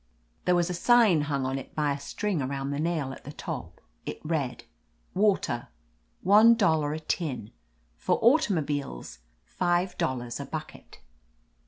There was a sign hung on it by a string aroimd the nail in the top. It read: 241 THE AMAZING ADVENTURES "Water, one dollar a tin. For automobiles, five dollars a bucket."